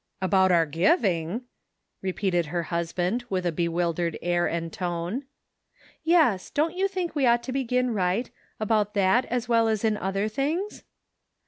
" About our giving !" repeated her husband, with a bewildered air and tone. " Yes ; don't jon think we ought to begin right, about that as well as in other things?"